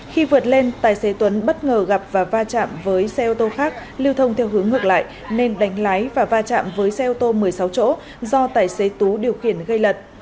khi vượt lên tài xế tuấn bất ngờ gặp và va chạm với xe ô tô khác lưu thông theo hướng ngược lại nên đánh lái và va chạm với xe ô tô một mươi sáu chỗ do tài xế tú điều khiển gây lật